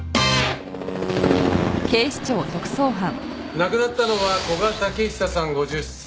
亡くなったのは古賀武久さん５０歳。